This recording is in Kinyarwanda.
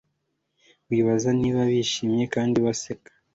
wibaze niba bishimye kandi baseka